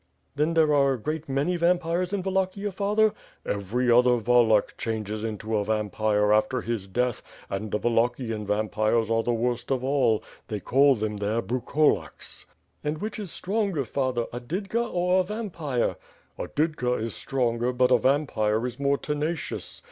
"Then there are a great many vampires in Wallachia, father?" "Every other Wallach changes into a vampire after his WITH FIRE AND SWORD. ^33 death, and the Wallachian vampires are the worst of all. They call them there Brukolaks/^ "And which is stronger, father, a ^didka^ or a vampixe?" "A didka is stronger, but a vampire is more tenacious.